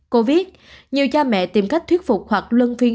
cô viết nhiều cha mẹ tìm cách thuyết phục hoặc lân phiên